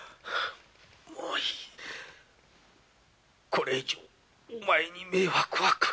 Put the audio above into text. もうよいこれ以上お前に迷惑はかけられぬ。